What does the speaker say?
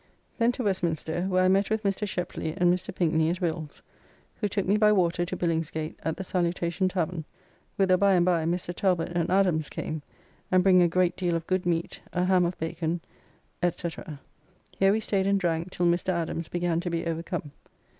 Then to Westminster, where I met with Mr. Sheply and Mr. Pinkney at Will's, who took me by water to Billingsgate, at the Salutation Tavern, whither by and by, Mr. Talbot and Adams came, and bring a great [deal of] good meat, a ham of bacon, &c. Here we staid and drank till Mr. Adams began to be overcome.